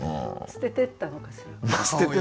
捨ててったのかしら。